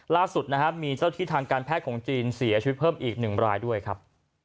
ล่าสุดนะครับมีเจ้าที่ทางการแพทย์ของจีนเสียชีวิตเพิ่มอีก๑รายด้วยครับ